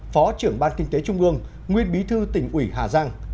phó trưởng ban kinh tế trung ương nguyên bí thư tỉnh ủy hà giang